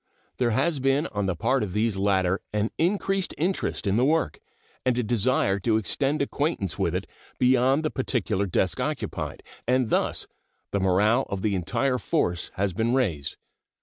There has been on the part of these latter an increased interest in the work and a desire to extend acquaintance with it beyond the particular desk occupied, and thus the morale of the entire force has been raised.